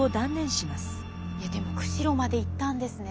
でも釧路まで行ったんですね。